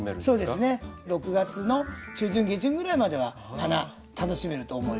そうですね６月の中旬下旬ぐらいまでは花楽しめると思います。